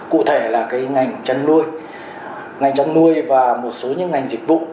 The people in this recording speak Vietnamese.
cụ thể là cái ngành chăn nuôi ngành chăn nuôi và một số những ngành dịch vụ